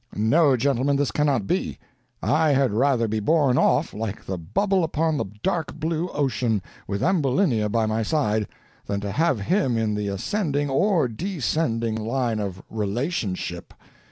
no, gentlemen, this cannot be; I had rather be borne off, like the bubble upon the dark blue ocean, with Ambulinia by my side, than to have him in the ascending or descending line of relationship.